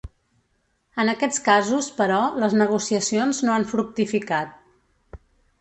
En aquests casos, però, les negociacions no han fructificat.